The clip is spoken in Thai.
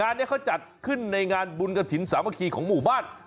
งานนี้เขาจัดขึ้นในงานบุญกระถิ่นสามัคคีของหมู่บ้าน